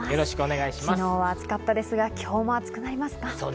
昨日は暑かったですが、今日も暑くなりますか？